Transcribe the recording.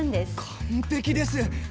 完璧です！